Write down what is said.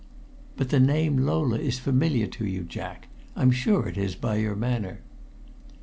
"But the name Lola is familiar to you, Jack! I'm sure it is, by your manner."